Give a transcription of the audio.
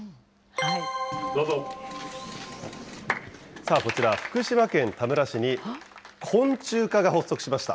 さあ、こちら、福島県田村市に昆虫課が発足しました。